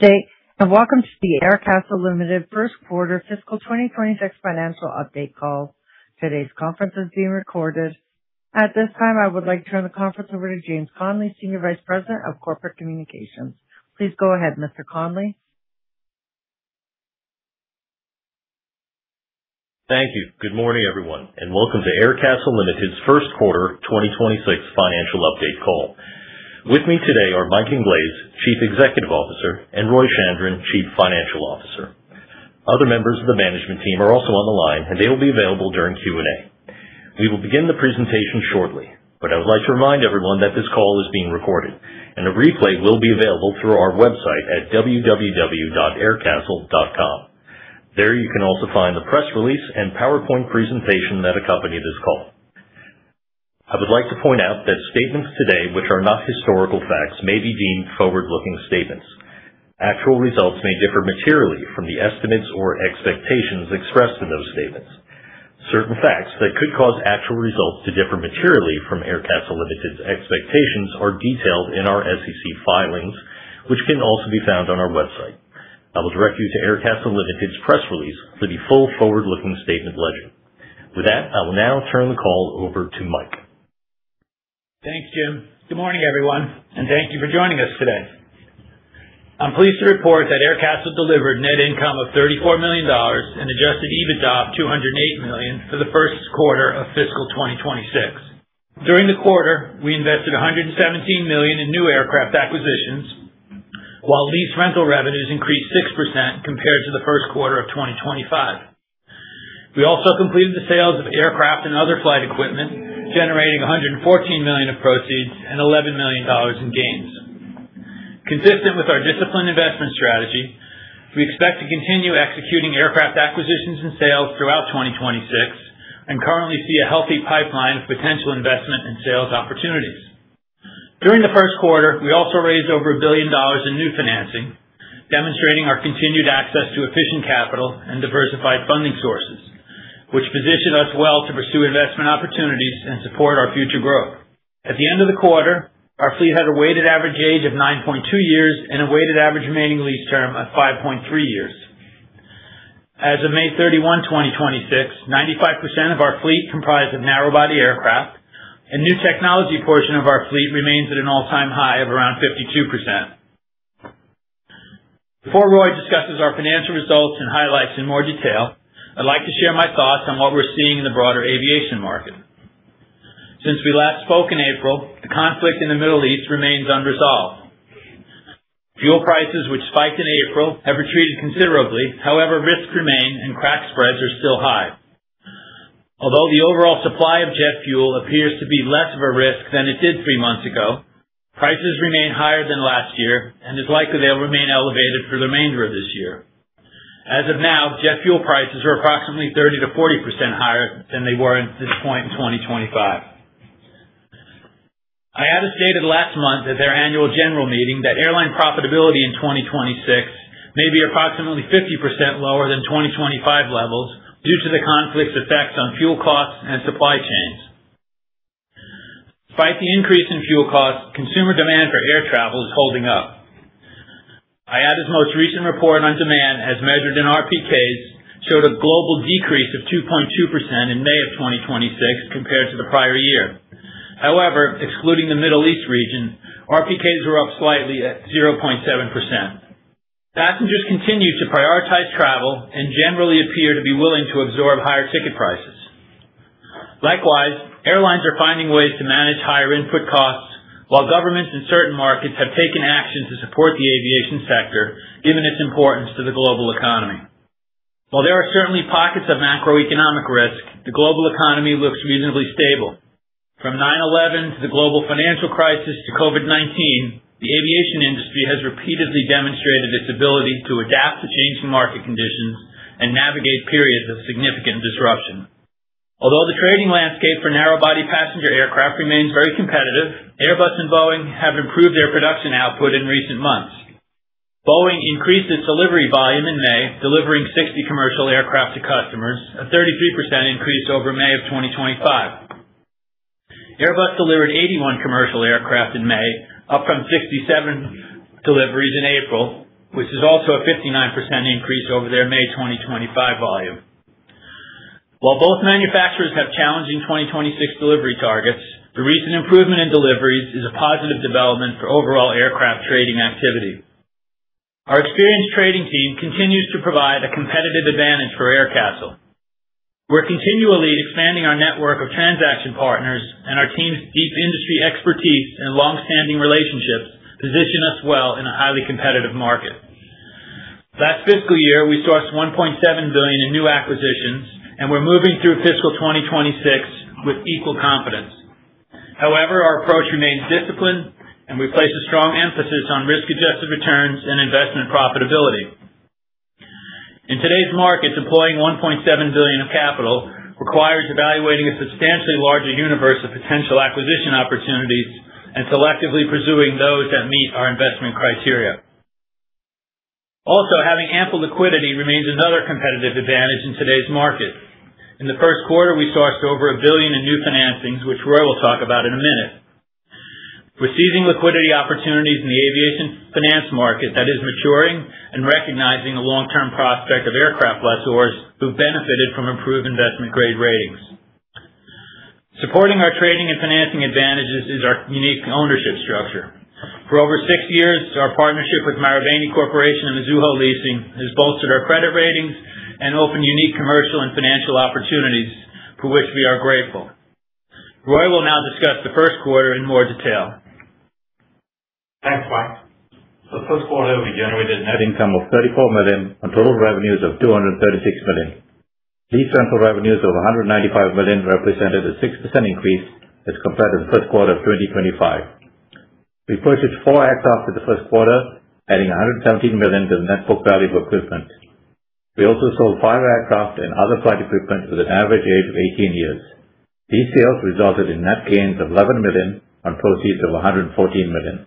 Today, welcome to the Aircastle Limited First Quarter Fiscal 2026 Financial Update Call. Today's conference is being recorded. At this time, I would like to turn the conference over to James Connelly, Senior Vice President of Corporate Communications. Please go ahead, Mr. Connelly. Thank you. Good morning, everyone, and welcome to Aircastle Limited's first quarter 2026 financial update call. With me today are Mike Inglese, Chief Executive Officer, and Roy Chandran, Chief Financial Officer. Other members of the management team are also on the line, and they will be available during Q&A. We will begin the presentation shortly. I would like to remind everyone that this call is being recorded, and a replay will be available through our website at www.aircastle.com. There, you can also find the press release and PowerPoint presentation that accompany this call. I would like to point out that statements today, which are not historical facts, may be deemed forward-looking statements. Actual results may differ materially from the estimates or expectations expressed in those statements. Certain facts that could cause actual results to differ materially from Aircastle Limited's expectations are detailed in our SEC filings, which can also be found on our website. I will direct you to Aircastle Limited's press release for the full forward-looking statement legend. With that, I will now turn the call over to Mike. Thanks, Jim. Good morning, everyone, and thank you for joining us today. I'm pleased to report that Aircastle delivered net income of $34 million and adjusted EBITDA of $208 million for the first quarter of fiscal 2026. During the quarter, we invested $117 million in new aircraft acquisitions, while lease rental revenues increased 6% compared to the first quarter of 2025. We also completed the sales of aircraft and other flight equipment, generating $114 million of proceeds and $11 million in gains. Consistent with our disciplined investment strategy, we expect to continue executing aircraft acquisitions and sales throughout 2026 and currently see a healthy pipeline of potential investment in sales opportunities. During the first quarter, we also raised over $1 billion in new financing, demonstrating our continued access to efficient capital and diversified funding sources, which position us well to pursue investment opportunities and support our future growth. At the end of the quarter, our fleet had a weighted average age of 9.2 years and a weighted average remaining lease term of 5.3 years. As of May 31, 2026, 95% of our fleet comprised of narrow-body aircraft. A new technology portion of our fleet remains at an all-time high of around 52%. Before Roy discusses our financial results and highlights in more detail, I'd like to share my thoughts on what we're seeing in the broader aviation market. Since we last spoke in April, the conflict in the Middle East remains unresolved. Fuel prices, which spiked in April, have retreated considerably. However, risks remain and crack spreads are still high. Although the overall supply of jet fuel appears to be less of a risk than it did three months ago, prices remain higher than last year and it's likely they'll remain elevated for the remainder of this year. As of now, jet fuel prices are approximately 30%-40% higher than they were at this point in 2025. IATA stated last month at their annual general meeting that airline profitability in 2026 may be approximately 50% lower than 2025 levels due to the conflict's effects on fuel costs and supply chains. Despite the increase in fuel costs, consumer demand for air travel is holding up. IATA's most recent report on demand, as measured in RPKs, showed a global decrease of 2.2% in May of 2026 compared to the prior year. However, excluding the Middle East region, RPKs were up slightly at 0.7%. Passengers continue to prioritize travel and generally appear to be willing to absorb higher ticket prices. Likewise, airlines are finding ways to manage higher input costs, while governments in certain markets have taken action to support the aviation sector, given its importance to the global economy. While there are certainly pockets of macroeconomic risk, the global economy looks reasonably stable. From 9/11 to the global financial crisis to COVID-19, the aviation industry has repeatedly demonstrated its ability to adapt to changing market conditions and navigate periods of significant disruption. Although the trading landscape for narrow-body passenger aircraft remains very competitive, Airbus and Boeing have improved their production output in recent months. Boeing increased its delivery volume in May, delivering 60 commercial aircraft to customers, a 33% increase over May of 2025. Airbus delivered 81 commercial aircraft in May, up from 67 deliveries in April, which is also a 59% increase over their May 2025 volume. While both manufacturers have challenging 2026 delivery targets, the recent improvement in deliveries is a positive development for overall aircraft trading activity. Our experienced trading team continues to provide a competitive advantage for Aircastle. We're continually expanding our network of transaction partners, and our team's deep industry expertise and long-standing relationships position us well in a highly competitive market. Last fiscal year, we sourced $1.7 billion in new acquisitions, and we're moving through fiscal 2026 with equal confidence. However, our approach remains disciplined, and we place a strong emphasis on risk-adjusted returns and investment profitability. In today's market, deploying $1.7 billion of capital requires evaluating a substantially larger universe of potential acquisition opportunities and selectively pursuing those that meet our investment criteria. Also, having ample liquidity remains another competitive advantage in today's market. In the first quarter, we sourced over $1 billion in new financings, which Roy will talk about in a minute. We're seizing liquidity opportunities in the aviation finance market that is maturing and recognizing the long-term prospect of aircraft lessors who've benefited from improved investment-grade ratings. Supporting our trading and financing advantages is our unique ownership structure. For over six years, our partnership with Marubeni Corporation and Mizuho Leasing has bolstered our credit ratings and opened unique commercial and financial opportunities for which we are grateful. Roy will now discuss the first quarter in more detail. Thanks, Mike. For the first quarter, we generated a net income of $34 million on total revenues of $236 million. Lease rental revenues of $195 million represented a 6% increase as compared to the first quarter of 2025. We purchased four aircraft in the first quarter, adding $117 million to the net book value of equipment. We also sold five aircraft and other flight equipment with an average age of 18 years. These sales resulted in net gains of $11 million on proceeds of $114 million.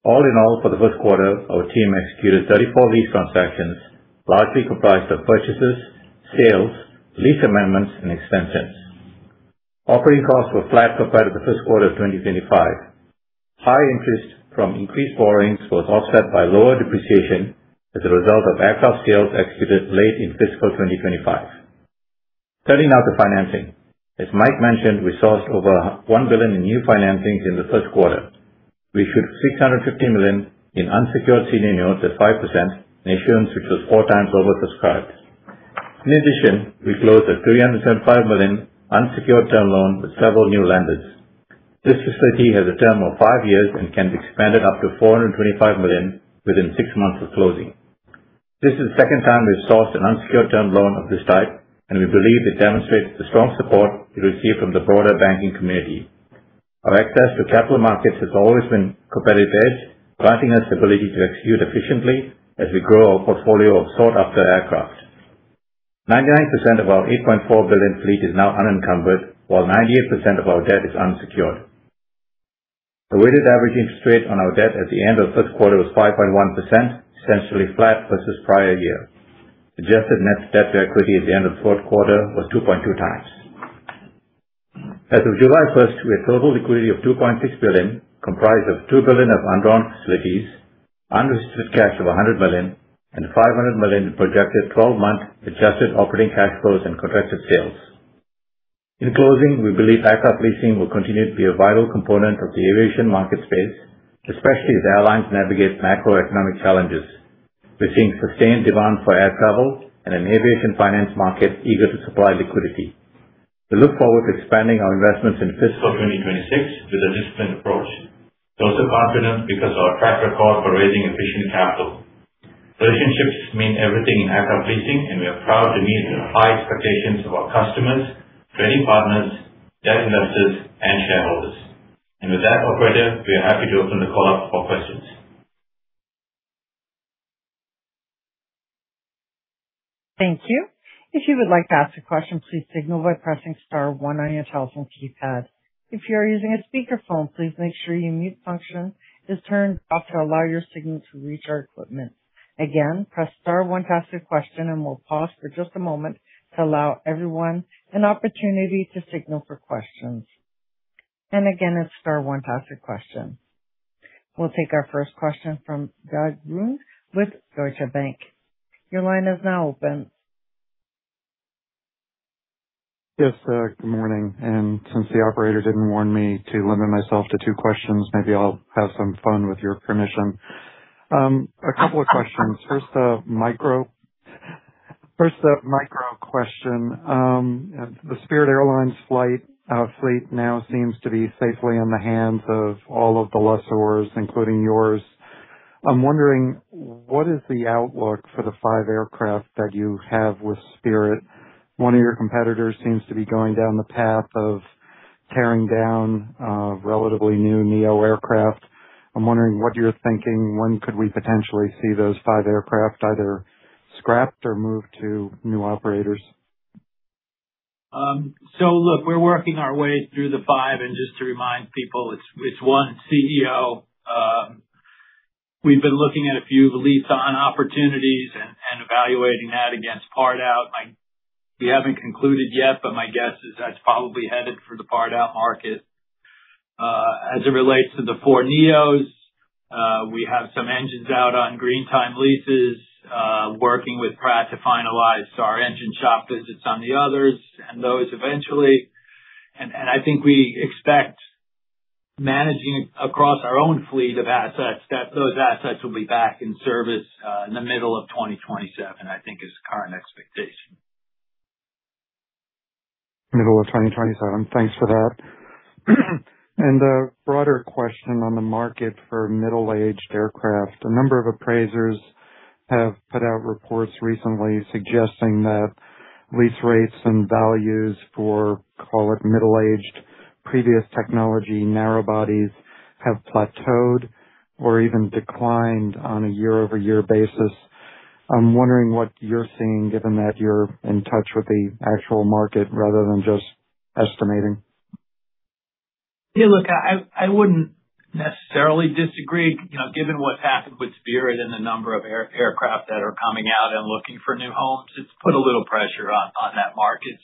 All in all, for the first quarter, our team executed 34 lease transactions, largely comprised of purchases, sales, lease amendments and extensions. Operating costs were flat compared to the first quarter of 2025. High interest from increased borrowings was offset by lower depreciation as a result of aircraft sales executed late in fiscal 2025. Turning now to financing. As Mike mentioned, we sourced over $1 billion in new financings in the first quarter. We issued $650 million in unsecured senior notes at 5%, an issuance which was four times oversubscribed. We closed a $375 million unsecured term loan with several new lenders. This facility has a term of five years and can be expanded up to $425 million within six months of closing. This is the second time we've sourced an unsecured term loan of this type, and we believe it demonstrates the strong support we receive from the broader banking community. Our access to capital markets has always been a competitive edge, granting us the ability to execute efficiently as we grow our portfolio of sought-after aircraft. 99% of our $8.4 billion fleet is now unencumbered, while 98% of our debt is unsecured. The weighted average interest rate on our debt at the end of the first quarter was 5.1%, essentially flat versus prior year. Adjusted net debt to equity at the end of the fourth quarter was 2.2 times. As of July 1st, we had total liquidity of $2.6 billion, comprised of $2 billion of undrawn facilities, unrestricted cash of $100 million, and $500 million in projected 12-month adjusted operating cash flows and contracted sales. We believe aircraft leasing will continue to be a vital component of the aviation market space, especially as airlines navigate macroeconomic challenges. We're seeing sustained demand for air travel and an aviation finance market eager to supply liquidity. We look forward to expanding our investments in fiscal 2026 with a disciplined approach. We're also confident because of our track record for raising efficient capital. Relationships mean everything in aircraft leasing, we are proud to meet the high expectations of our customers, trading partners, debt investors, and shareholders. With that, operator, we are happy to open the call up for questions. Thank you. If you would like to ask a question, please signal by pressing star one on your telephone keypad. If you are using a speakerphone, please make sure your mute function is turned off to allow your signal to reach our equipment. Again, press star one to ask a question, we'll pause for just a moment to allow everyone an opportunity to signal for questions. Again, it's star one to ask a question. We'll take our first question from Doug Runte with Deutsche Bank. Your line is now open. Yes. Good morning. Since the operator didn't warn me to limit myself to two questions, maybe I'll have some fun with your permission. A couple of questions. First, a micro question. The Spirit Airlines flight fleet now seems to be safely in the hands of all of the lessors, including yours. I'm wondering, what is the outlook for the five aircraft that you have with Spirit? One of your competitors seems to be going down the path of tearing down relatively new neo aircraft. I'm wondering what you're thinking. When could we potentially see those five aircraft either scrapped or moved to new operators? Look, we're working our way through the five, just to remind people, it's one CEO. We've been looking at a few lease-on opportunities and evaluating that against part-out. We haven't concluded yet, but my guess is that's probably headed for the part-out market. As it relates to the fourneos, we have some engines out on green time leases, working with Pratt to finalize our engine shop visits on the others and those eventually. I think we expect managing across our own fleet of assets, that those assets will be back in service in the middle of 2027, I think is the current expectation. Middle of 2027. Thanks for that. A broader question on the market for middle-aged aircraft. A number of appraisers have put out reports recently suggesting that lease rates and values for, call it, middle-aged, previous technology narrow bodies have plateaued or even declined on a year-over-year basis. I'm wondering what you're seeing, given that you're in touch with the actual market rather than just estimating. Yeah, look, I wouldn't necessarily disagree. Given what's happened with Spirit and the number of aircraft that are coming out and looking for new homes, it's put a little pressure on that market.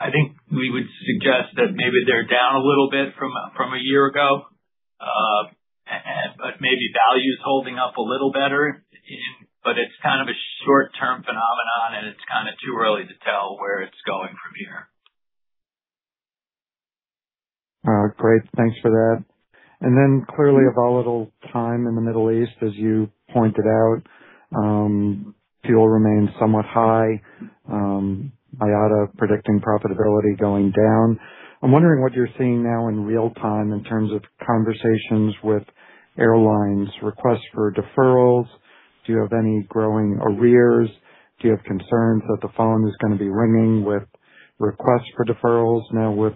I think we would suggest that maybe they're down a little bit from a year ago. Maybe value is holding up a little better. It's kind of a short-term phenomenon, and it's kind of too early to tell where it's going from here. Great. Thanks for that. Clearly a volatile time in the Middle East, as you pointed out. Fuel remains somewhat high. IATA predicting profitability going down. I'm wondering what you're seeing now in real time in terms of conversations with airlines, requests for deferrals. Do you have any growing arrears? Do you have concerns that the phone is going to be ringing with requests for deferrals now with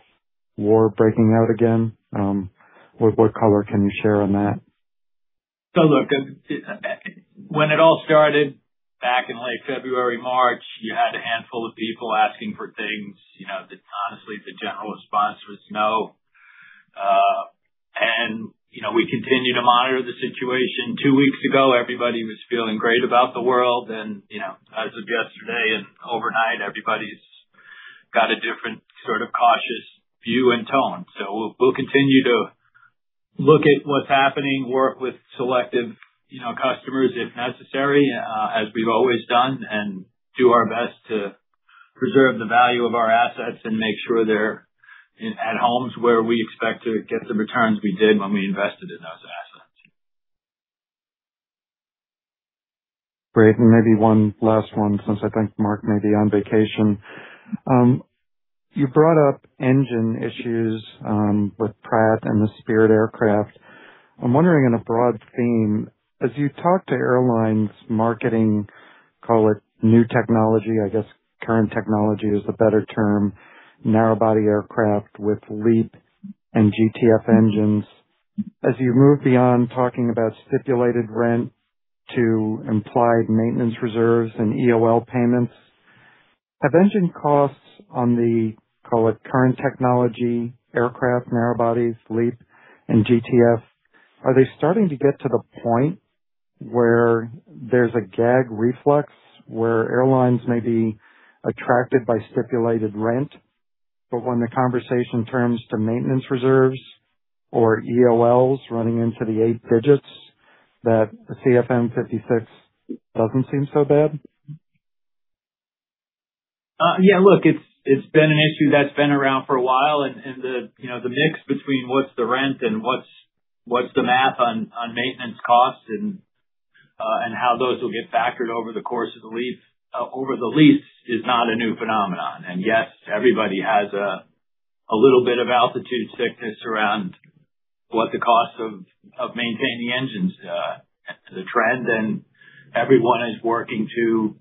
war breaking out again? What color can you share on that? Look, when it all started back in late February, March, you had a handful of people asking for things. Honestly, the general response was no. We continue to monitor the situation. Two weeks ago, everybody was feeling great about the world. As of yesterday and overnight, everybody's got a different sort of cautious view and tone. We'll continue to look at what's happening, work with selective customers if necessary, as we've always done, and do our best to preserve the value of our assets and make sure they're at homes where we expect to get the returns we did when we invested in those assets. Great. Maybe one last one, since I think Mark may be on vacation. You brought up engine issues with Pratt and the Spirit aircraft. I'm wondering, in a broad theme, as you talk to airlines marketing, call it new technology, I guess current technology is a better term, narrow-body aircraft with LEAP and GTF engines. As you move beyond talking about stipulated rent to implied maintenance reserves and EOL payments, have engine costs on the, call it, current technology, aircraft, narrow-bodies, LEAP and GTF, are they starting to get to the point where there's a gag reflex where airlines may be attracted by stipulated rent, but when the conversation turns to maintenance reserves or EOLs running into the 8 digits, that a CFM56 doesn't seem so bad? Yeah, look, it's been an issue that's been around for a while. The mix between what's the rent and what's the math on maintenance costs and how those will get factored over the lease is not a new phenomenon. Yes, everybody has a little bit of altitude sickness around what the cost of maintaining engines. It's a trend, and everyone is working to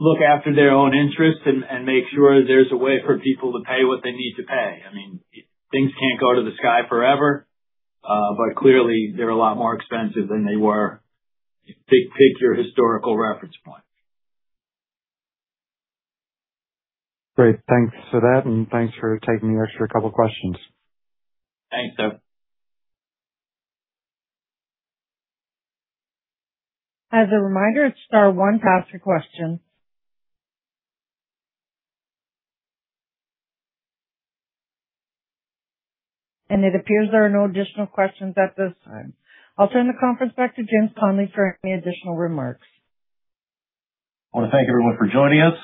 look after their own interests and make sure there's a way for people to pay what they need to pay. Things can't go to the sky forever, but clearly they're a lot more expensive than they were. Pick your historical reference point. Great. Thanks for that, thanks for taking the extra couple of questions. Thanks, Doug. As a reminder, it's star one to ask a question. It appears there are no additional questions at this time. I'll turn the conference back to James Connelly for any additional remarks. I want to thank everyone for joining us.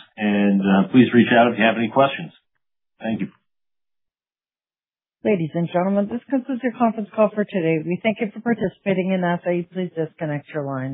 Please reach out if you have any questions. Thank you. Ladies and gentlemen, this concludes your conference call for today. We thank you for participating. I say please disconnect your lines.